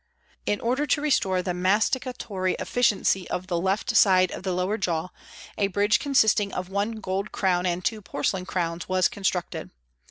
" In order to restore the masticatory efficiency of the left side of the lower jaw, a bridge consisting of one gold crown and two porcelain crowns was constructed.